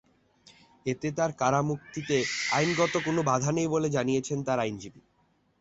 এতে তাঁর কারামুক্তিতে আইনগত কোনো বাধা নেই বলে জানিয়েছেন তাঁর আইনজীবী।